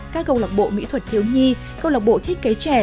các cộng lộc bộ mỹ thuật thiếu nhi cộng lộc bộ thiết kế trẻ